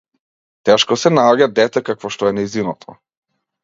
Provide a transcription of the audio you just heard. Тешко се наоѓа дете какво што е нејзиното.